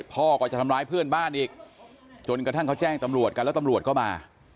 พ่อก็จะทำร้ายเพื่อนบ้านอีกจนกระทั่งเขาแจ้งตำรวจกันแล้วตำรวจก็มา